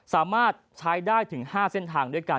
สามารถใช้ได้ถึง๕เส้นทางด้วยกัน